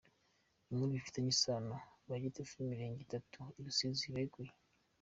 Inkuru bifitanye isano: Ba Gitifu b’Imirenge itatu i Rusizi beguye.